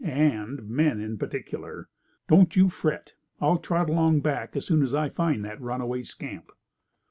And men in particular. Don't you fret. I'll trot along back as soon as I find that runaway scamp."